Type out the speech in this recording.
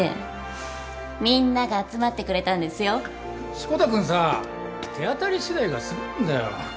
志子田君さ手当たり次第が過ぎるんだよ。